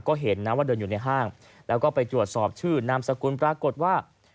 ก็เห็นนะว่าเดินอยู่ในห้างแล้วก็ไปตรวจสอบชื่อนามสกุลปรากฏว่า